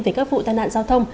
về các vụ tai nạn giao thông